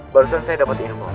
barusan saya dapetin info